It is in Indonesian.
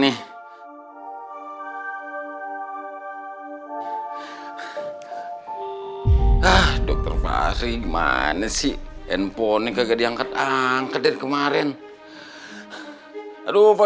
nih ah dokter fahri mana sih handphonenya kagak diangkat angkat dari kemarin aduh pak